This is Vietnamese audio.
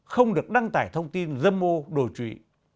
không được đăng tải thông tin dâm mô đồ chủy